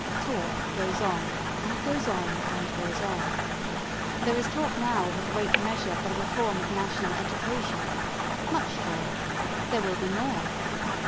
Talk goes on and goes on and goes on. There is talk now of a Great Measure for the Reform of National Education, much talk there will be more.